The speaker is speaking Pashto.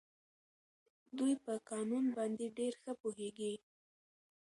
دوی په قانون باندې ډېر ښه پوهېږي.